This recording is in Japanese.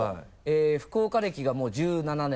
福岡歴がもう１７年。